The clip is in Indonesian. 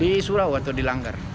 di surau atau di langgar